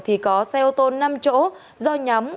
thì có xe ô tô năm chỗ do nhóm